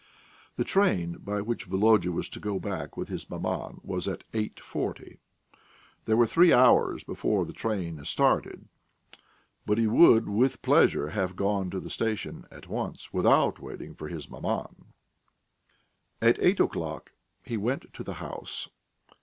The train by which Volodya was to go back with his maman was at eight forty. There were three hours before the train started, but he would with pleasure have gone to the station at once without waiting for his maman. At eight o'clock he went to the house.